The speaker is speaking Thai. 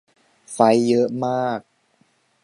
ไฟลท์เยอะมาก